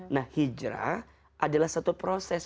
nah hijrah adalah satu proses